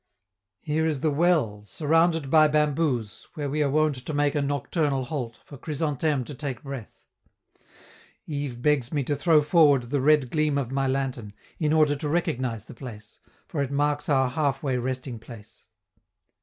Here is the well, surrounded by bamboos, where we are wont to make a nocturnal halt for Chrysantheme to take breath. Yves begs me to throw forward the red gleam of my lantern, in order to recognize the place, for it marks our halfway resting place.